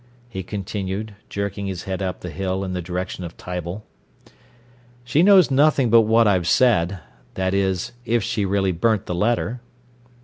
he continued, jerking his head up the hill in the direction of Tible. "She knows nothing but what I've said that is, if she really burnt the letter."